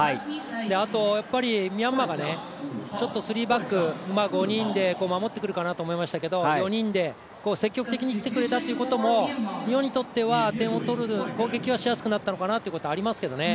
あと、ミャンマーがスリーバック、５人で守ってくるかなと思いましたけど４人で積極的にしてくれたってところも日本にとっては、点を取る攻撃はしやすくなったのかなと思いますけどね。